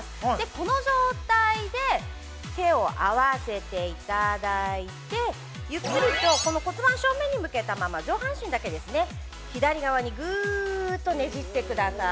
この状態で、手を合わせていただいて、ゆっくりと骨盤正面に向けたまま、上半身だけ左側にぐっとねじってください。